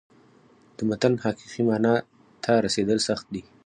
د متن حقیقي معنا ته رسېدل سخت دي.